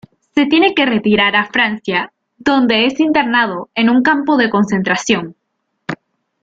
Se tiene que retirar a Francia donde es internado en un campo de concentración.